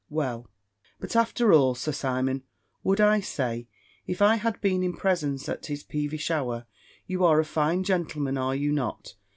"'Well, but after all, Sir Simon,' would I say, if I had been in presence at his peevish hour, 'you are a fine gentleman, are you not?